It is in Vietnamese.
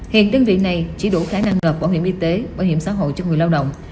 hiện đơn vị này chỉ đủ khả năng nộp bảo hiểm y tế bảo hiểm xã hội cho người lao động